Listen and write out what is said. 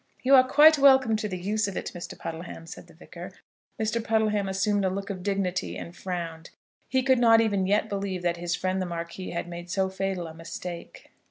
"You are quite welcome to the use of it, Mr. Puddleham," said the Vicar. Mr. Puddleham assumed a look of dignity, and frowned. He could not even yet believe that his friend the Marquis had made so fatal a mistake.